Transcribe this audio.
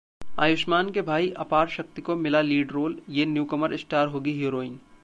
आयुष्मान के भाई अपारशक्ति को मिला लीड रोल, ये न्यूकमर स्टार होगी हिरोइन